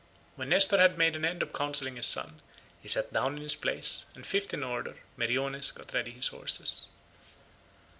When Nestor had made an end of counselling his son he sat down in his place, and fifth in order Meriones got ready his horses.